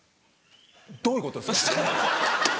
どういうことですか？